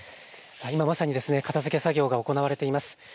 今まさにですね、片づけ作業が行われています。